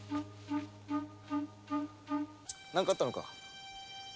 何かあったのか？